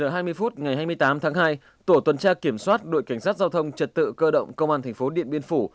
một mươi bảy h hai mươi phút ngày hai mươi tám tháng hai tổ tuần tra kiểm soát đội cảnh sát giao thông trật tự cơ động công an tp điện biên phủ